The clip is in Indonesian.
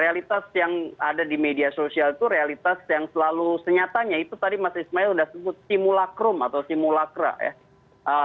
realitas yang ada di media sosial itu realitas yang selalu senyatanya itu tadi mas ismail sudah sebut simulacrum atau simulacra ya